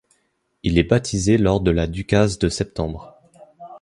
Il est baptisé lors de la ducasse de septembre.